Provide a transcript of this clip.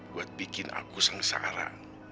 buat bikin aku sengsara